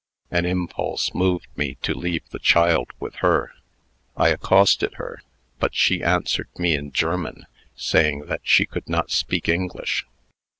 An impulse moved me to leave the child with her. I accosted her, but she answered me in German, saying that she could not speak English.